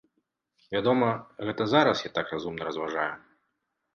Вядома, гэта зараз я так разумна разважаю.